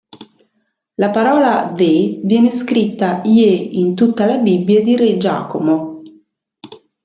La parola "the" viene scritta "ye" in tutta la Bibbia di re Giacomo.